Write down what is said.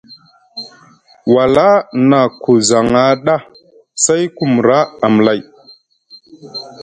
Wala na ku zaŋa ɗa, say ku mra amlay.